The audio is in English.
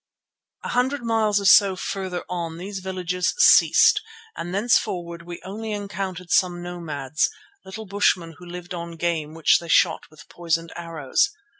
A hundred miles or so farther on these villages ceased and thenceforward we only encountered some nomads, little bushmen who lived on game which they shot with poisoned arrows.